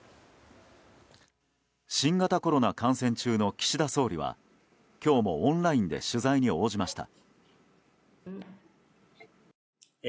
新型コロナ感染中の岸田総理は今日もオンラインで取材に応じました。